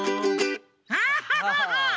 アハハハ！